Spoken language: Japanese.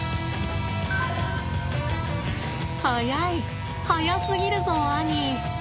速い速すぎるぞ兄。